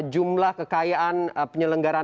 jumlah kekayaan penyelenggaraan